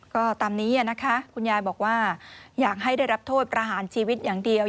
ก็ตามนี้นะคะคุณยายบอกว่าอยากให้ได้รับโทษประหารชีวิตอย่างเดียว